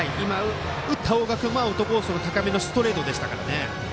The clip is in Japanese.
打った大賀君もアウトコースの高めのストレートでしたから。